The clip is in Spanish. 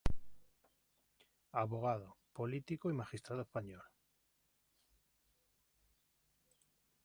Abogado, político y magistrado español.